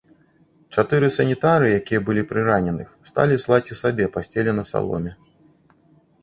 Чатыры санітары, якія былі пры раненых, сталі слаць і сабе пасцелі на саломе.